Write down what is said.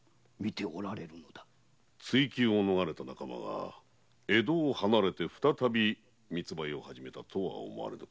追及を逃れた仲間が江戸を離れて再び密売を始めたと思われぬか？